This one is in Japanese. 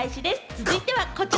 続いてはこちら。